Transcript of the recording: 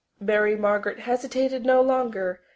Mary Margaret hesitated no longer.